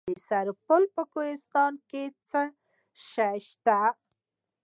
د سرپل په کوهستان کې څه شی شته؟